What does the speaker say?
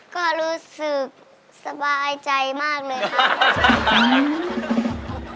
ก็รู้สึกสบายใจมากเลยครับ